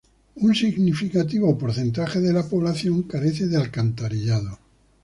Significativo porcentaje de la población carece de alcantarillado.